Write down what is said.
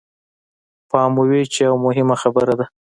پام مو وي چې يوه مهمه خبره ده.